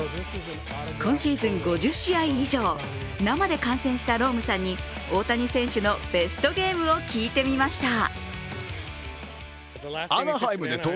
今シーズン５０試合以上、生で観戦したロームさんに大谷選手のベストゲームを聞いてみました。